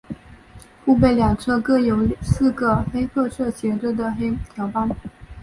腹背两侧各有四个黑褐色斜着的条斑。